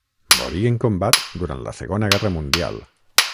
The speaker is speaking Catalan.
Morí en combat durant la Segona Guerra Mundial.